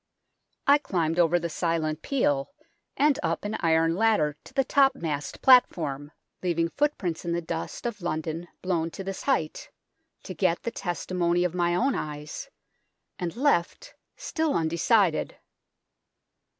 I climbed over the silent peal, and up an iron ladder to the topmast platform, leaving footprints in the dust of London blown to this height, to get the testimony of my own eyes, and left still undecided.